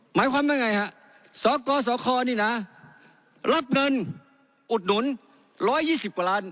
หมายความเป็นยังไงฮะศอกอศอกอนี่น่ะรับเงินอุดหนุนร้อยยี่สิบกว่าล้าน